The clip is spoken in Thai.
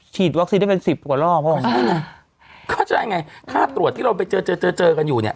ฉีดวัคซีนได้เป็นสิบกว่ารอบหรออ่าก็ใช่ไงค่าตรวจที่เราไปเจอเจอเจอเจอกันอยู่เนี้ย